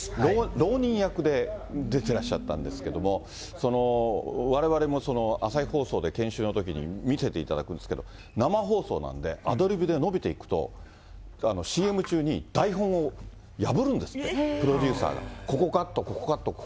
ろうにん役で出てらっしゃったんですけれども、その、われわれも朝日放送で研修のときに見せていただくんですけど、生放送なんで、アドリブでのびていくと、ＣＭ中に、台本を破るんですって、プロデューサーが。